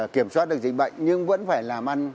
kiểm soát được dịch bệnh nhưng vẫn phải làm ăn